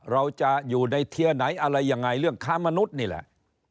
เราจะอยู่ในเทียไหนอะไรยังไงเรื่องค้ามนุษย์นี่แหละ